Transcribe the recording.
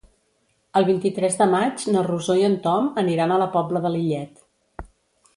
El vint-i-tres de maig na Rosó i en Tom aniran a la Pobla de Lillet.